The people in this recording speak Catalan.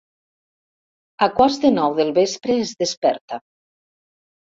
A quarts de nou del vespre es desperta.